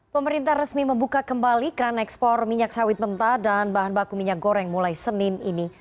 pemerintah resmi membuka kembali keran ekspor minyak sawit mentah dan bahan baku minyak goreng mulai senin ini